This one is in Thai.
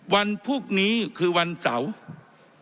วันพรุ่งนี้คือวันเสาร์